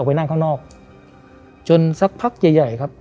ไปนั่งข้างนอกจนสักพักใหญ่ใหญ่ครับ